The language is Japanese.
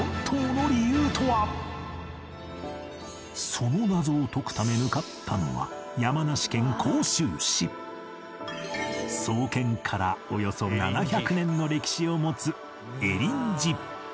その謎を解くため向かったのは創建からおよそ７００年の歴史を持つ恵林寺